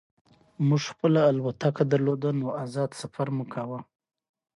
موږ خپله الوتکه درلوده نو ازاد سفر مو کاوه